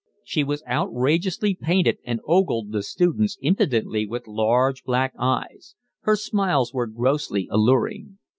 She was outrageously painted and ogled the students impudently with large black eyes; her smiles were grossly alluring.